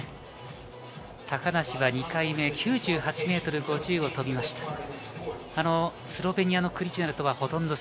高梨は２回目、９８ｍ５０を飛びました。